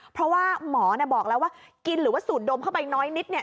เพราะว่าหมอบอกแล้วว่ากินหรือว่าสูดดมเข้าไปน้อยนิดเนี่ย